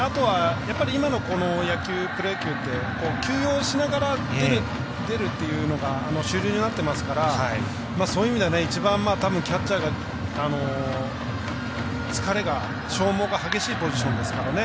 今のこのプロ野球って休養しながら出るっていうのが主流になってますからそういう意味では一番キャッチャーが疲れが消耗が激しいポジションですからね。